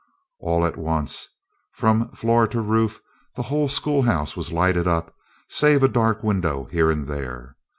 All at once, from floor to roof, the whole school house was lighted up, save a dark window here and there.